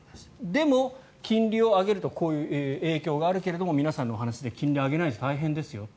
でも、金利を上げるとこういう影響があるけれども皆さんのお話で金利を上げないと大変ですよ。